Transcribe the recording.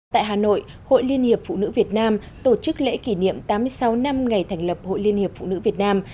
tại hà nội hội liên hiệp phụ nữ việt nam tổ chức lễ kỷ niệm tám mươi sáu năm ngày thành lập hội liên hiệp phụ nữ việt nam